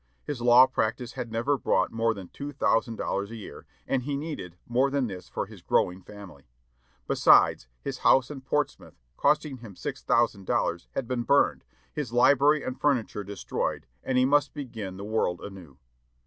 His law practice had never brought more than two thousand dollars a year, and he needed more than this for his growing family. Besides, his house at Portsmouth, costing him six thousand dollars, had been burned, his library and furniture destroyed, and he must begin the world anew.